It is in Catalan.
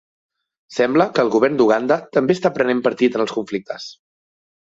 Sembla que el govern d'Uganda també està prenent partit en els conflictes.